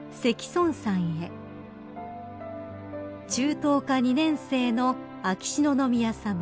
［中等科２年生の秋篠宮さま］